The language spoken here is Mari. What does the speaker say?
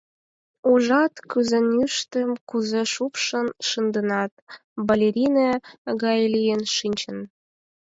Ужат, кӱзанӱштым кузе шупшын шынденат, балерине гай лийын шинчын.